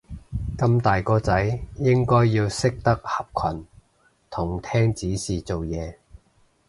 咁大個仔應該要識得合群同聽指示做嘢